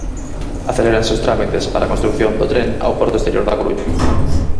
Aceléranse os trámites para a construción do tren ao porto exterior da Coruña.